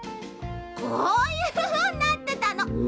こういうふうになってたの。